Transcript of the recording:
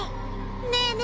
ねえねえ